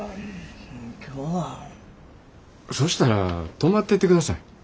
そしたら泊まってってください。